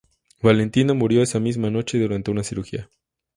Valentina murió esa misma noche durante una cirugía.